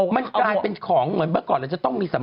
มันกลายเป็นของเหมือนเมื่อก่อน